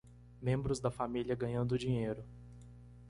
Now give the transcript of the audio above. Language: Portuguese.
Membros da família ganhando dinheiro